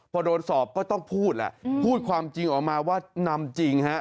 พอโดนสอบก็ต้องพูดแหละพูดความจริงออกมาว่านำจริงฮะ